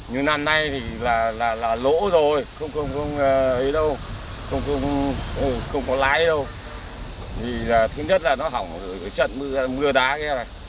thứ nhất là nó hỏng trận mưa đá kia